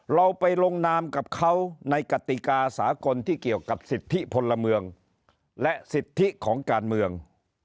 เราไปลงนามกับเขาในกติกาสากลที่เกี่ยวกับสิทธิพลเมืองและสิทธิของการเมือง